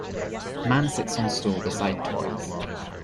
Man sits on stool beside toys.